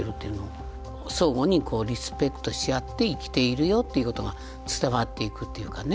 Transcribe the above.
相互にリスペクトし合って生きているよっていうことが伝わっていくというかね。